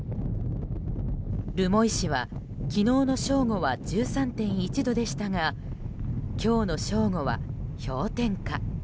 留萌市は昨日の正午は１３．１度でしたが今日の正午は氷点下。